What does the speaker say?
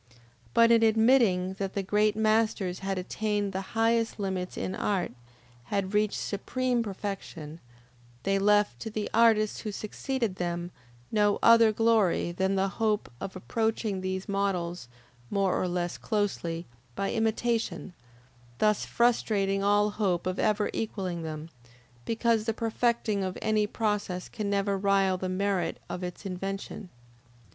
But in admitting that the great masters had attained the highest limits in art, had reached supreme perfection, they left to the artists who succeeded them no other glory than the hope of approaching these models, more or less closely, by imitation, thus frustrating all hope of ever equalling them, because the perfecting of any process can never rival the merit of its invention.